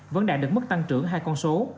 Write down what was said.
vẫn đạt được mức tăng trưởng hai con số